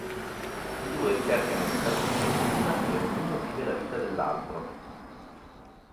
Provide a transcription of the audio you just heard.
I due cercano di fare finta di nulla e ognuno vive la vita dell'altro.